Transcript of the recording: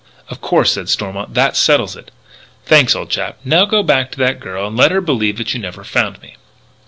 "Of course," said Stormont, "that settles it." "Thanks, old chap. Now go back to that girl and let her believe that you never found me."